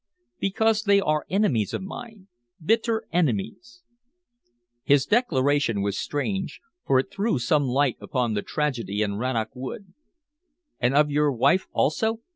"Because they are enemies of mine bitter enemies." His declaration was strange, for it threw some light upon the tragedy in Rannoch Wood. "And of your wife also?"